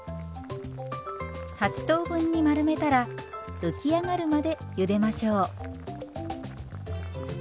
８等分に丸めたら浮き上がるまでゆでましょう。